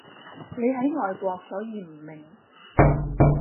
你喺外國所以唔明